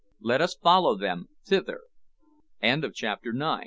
Let us follow them thither. CHAPTER TEN.